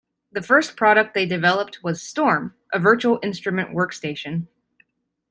The first product they developed was Storm, a virtual instrument workstation.